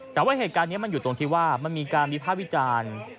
แต่ว่าเหตุการณ์นี้มันอยู่ตรงที่ว่ามันมีการวิภาควิจารณ์